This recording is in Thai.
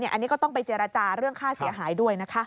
อันนี้ก็ต้องไปเจรจาเรื่องค่าเสียหายด้วยนะคะ